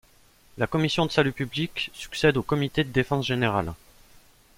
La Commission de salut public succède au Comité de défense générale.